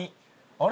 「あれ？